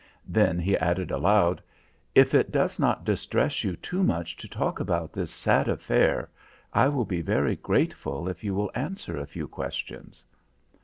Then he added aloud: "If it does not distress you too much to talk about this sad affair, I will be very grateful if you will answer a few questions."